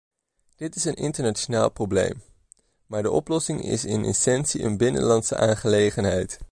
Dit is een internationaal probleem, maar de oplossing is in essentie een binnenlandse aangelegenheid.